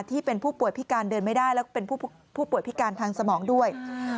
ที่เป็นผู้ป่วยพิการเดินไม่ได้แล้วก็เป็นผู้ป่วยพิการทางสมองด้วย